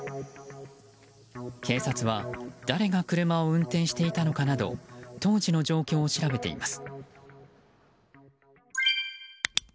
警察は誰が車を運転していたのかなど当時の状況を調べています。